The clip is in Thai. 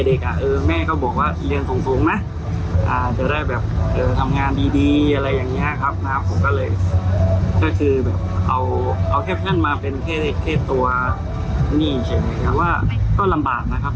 แต่เขาก็สอนให้เราที่รู้จักทำงานด้วยตัวเองบ้างนะครับ